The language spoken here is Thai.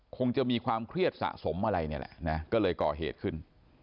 คงจะมีความเครียดสะสมอะไรนี่แหละนะก็เลยก่อเหตุขึ้น